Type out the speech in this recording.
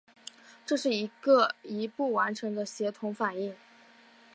这是一个一步完成的协同反应。